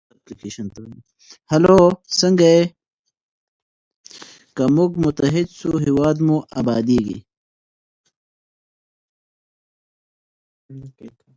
که موږ متحد سو هېواد مو ابادیږي.